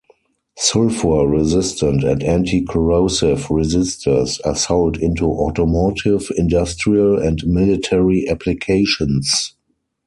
Sulfur resistant and anti-corrosive resistors are sold into automotive, industrial, and military applications.